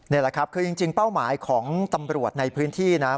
นี่แหละครับคือจริงเป้าหมายของตำรวจในพื้นที่นะ